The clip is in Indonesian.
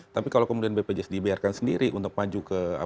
tapi kalau kemudian bpjs dibiarkan sendiri untuk maju ke